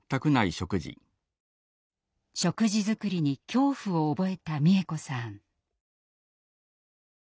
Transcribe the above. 食事作りに恐怖を覚えた美枝子さん。